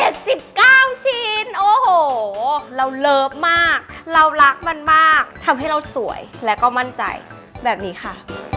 เก้าชิ้นโอ้โหเราเลิฟมากเรารักมันมากทำให้เราสวยแล้วก็มั่นใจแบบนี้ค่ะ